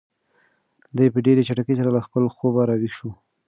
دی په ډېرې چټکۍ سره له خپل خوبه را ویښ شو.